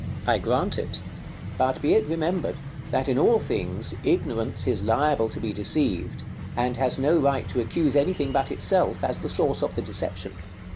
I grant it; but be it remembered, that in all things, ignorance is liable to be deceived, and has no right to accuse anything but itself as the source of the deception.